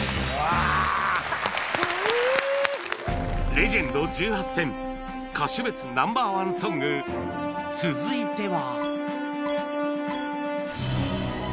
レジェンド１８選歌手別 Ｎｏ．１ ソング続いては